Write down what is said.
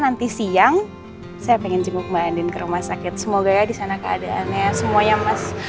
nanti siang saya ingin jenguk mbak andin ke rumah sakit semoga ya di sana keadaannya semuanya mas